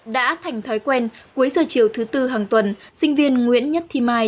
đã thành thói quen cuối giờ chiều thứ tư hàng tuần sinh viên nguyễn nhất thi mai